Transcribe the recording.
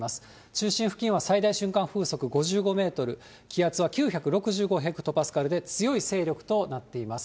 中心付近は最大瞬間風速５５メートル、気圧は９６５ヘクトパスカルで、強い勢力となっています。